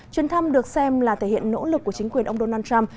chuyến thăm được xem là thể hiện nỗ lực của chính quyền ông donald trump